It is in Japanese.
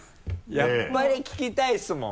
やっぱり聴きたいですもん！